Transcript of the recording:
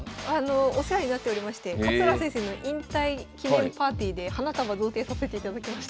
お世話になっておりまして勝浦先生の引退記念パーティーで花束贈呈させていただきました。